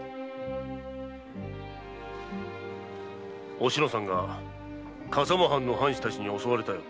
お篠さんが笠間藩の藩士たちに襲われたよ。